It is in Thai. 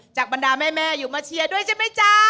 บรรดาแม่อยู่มาเชียร์ด้วยใช่ไหมจ๊ะ